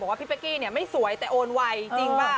บอกว่าพี่เป๊กกี้เนี่ยไม่สวยแต่โอนวัยจริงป่าว